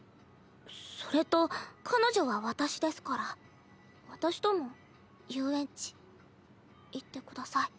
それと彼女は私ですから私とも遊園地行ってください。